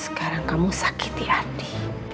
sekarang kamu sakiti adi